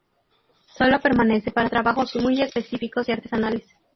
Sólo permanece para trabajos muy específicos y artesanales.